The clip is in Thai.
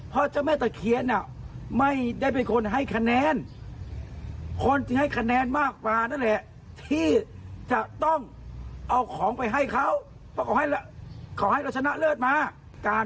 เพราะเจ้าแม่ตะเคียนไม่ได้เป็นคนให้คะแนนคนที่ให้คะแนนมากกว่านั่นแหละที่จะต้องเอาของไปให้เขาเพราะขอให้เราชนะเลิศมาการ